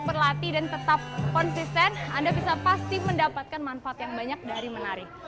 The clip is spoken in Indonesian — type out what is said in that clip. kita mendapatkan manfaat yang banyak dari menari